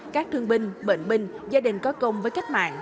các thương binh bệnh binh gia đình có công với cách mạng